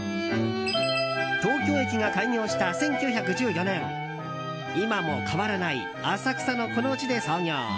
東京駅が開業した１９１４年今も変わらない浅草のこの地で創業。